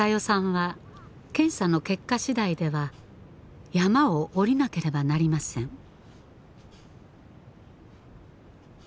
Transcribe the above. さんは検査の結果次第では山を下りなければなりません。